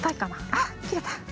あっきれた。